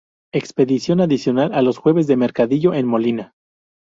Expedición adicional los jueves de mercadillo en Molina.